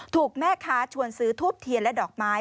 ถูกแม่ค้าชวนซื้อทูบเทียนและดอกไม้